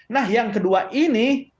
nah yang kedua ini